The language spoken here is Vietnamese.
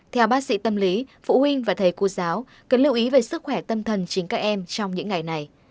theo bác sĩ tâm lý phụ huynh và thầy cô giáo cần lưu ý về sức khỏe tâm thần chính các em trong những ngày này